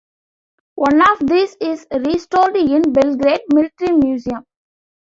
One of these is restored in Belgrade Military Museum.